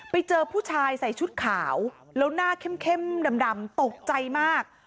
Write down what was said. ไปเจอผู้ชายใส่ชุดขาวแล้วหน้าเข้มดำตกใจมาก